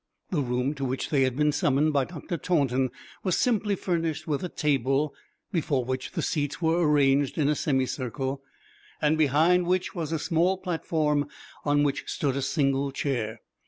The room to which they had been summoned by Dr. Taunton was simply furnished with a table, before which the seats were arranged in a semicircle, and behind which was a small platform on which stood a single chair.